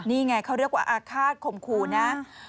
นี่ไงเขาเรียกว่าอาฆาตข่มขู่นะ